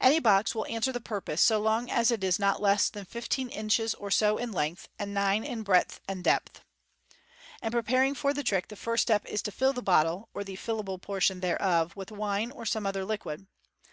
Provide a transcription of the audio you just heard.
Any box will answer the purpose, so long as it is not less than fifteen inches or so in length, and nine in breadth and depth. In preparing for the trick, the first step is to fill the bottle, or the "tillable" portion thereof, with wine or some other liquid.